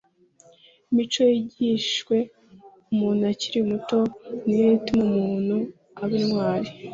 imico yigishijwe umuntu akiri muto niyo ituma umuntu aba intwari